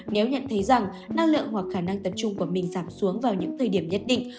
nếu nhận thấy rằng năng lượng hoặc khả năng tập trung của mình giảm xuống vào những thời điểm nhất định